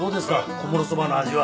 小諸そばの味は。